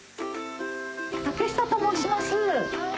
竹下と申します。